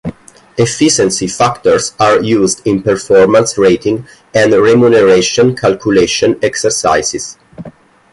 Efficiency factors are used in performance rating and remuneration calculation exercises.